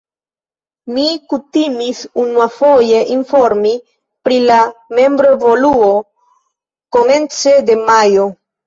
Mi kutimis unuafoje informi pri la membroevoluo komence de majo.